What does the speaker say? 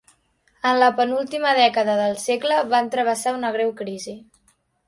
En la penúltima dècada del segle van travessar una greu crisi.